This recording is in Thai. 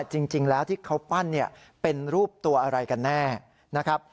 จริงแล้วที่เขาปั้นเป็นรูปตัวอะไรกันแน่นะครับ